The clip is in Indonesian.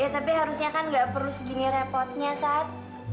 ya tapi harusnya kan gak perlu segini repotnya sat